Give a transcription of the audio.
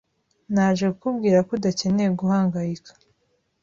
Naje kukubwira ko udakeneye guhangayika.